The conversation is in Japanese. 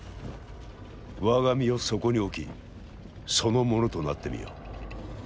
我が身をそこに置きその者となってみよ。